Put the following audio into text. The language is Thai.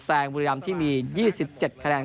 แสงบริลำที่มี๒๗คะแนน